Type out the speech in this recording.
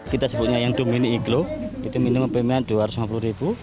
kita sebutnya yang domini iglo itu minuman pembinaan dua ratus lima puluh rupiah